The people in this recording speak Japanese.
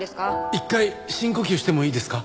一回深呼吸してもいいですか？